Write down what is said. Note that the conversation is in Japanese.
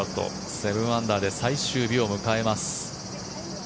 ７アンダーで最終日を迎えます。